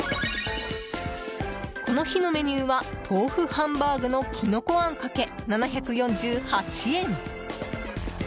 この日のメニューは豆腐ハンバーグのきのこあんかけ７４８円。